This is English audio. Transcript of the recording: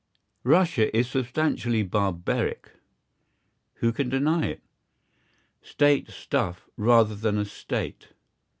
Russia is substantially barbaric. Who can deny it? State stuff rather than a State.